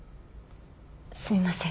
すみません。